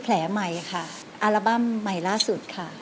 แผลใหม่ค่ะอัลบั้มใหม่ล่าสุดค่ะ